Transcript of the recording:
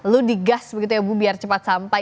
lu digas begitu ya bu biar cepat sampai